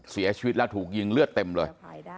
เสียชีวิตแล้วถูกยิงเลือดเต็มเลย